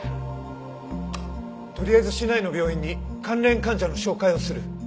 とりあえず市内の病院に関連患者の照会をする。